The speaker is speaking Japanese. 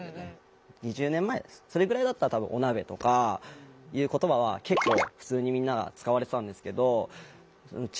２０年前それぐらいだったら多分オナベとかいう言葉は結構普通にみんなが使われてたんですけどうち